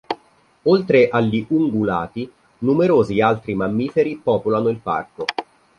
Oltre agli ungulati, numerosi altri mammiferi popolano il Parco.